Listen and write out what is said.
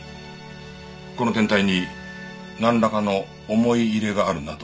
この天体になんらかの思い入れがあるなど。